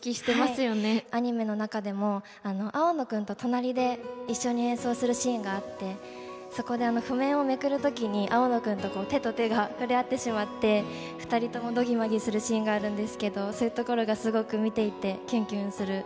アニメの中でも青野くんと隣で一緒に演奏するシーンがあってそこで譜面をめくる時に青野くんと手と手が触れ合ってしまって二人ともどぎまぎするシーンがあるんですけどそういうところがすごく見ていてキュンキュンする